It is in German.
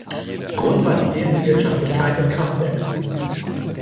Grund war die fehlende Wirtschaftlichkeit des Kraftwerkes.